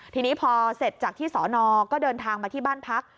ทีนี้พอเสร็จจากที่สอนอก็เดินทางมาที่บ้านพัก